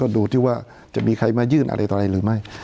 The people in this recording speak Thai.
ดูที่ว่าจะมีใครมายื่นอะไรต่ออะไรหรือไม่